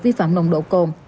vi phạm nồng độ cồn